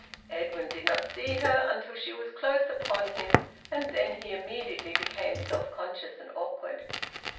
Edwin did not see her until she was close upon him, and then he immediately became self conscious and awkward.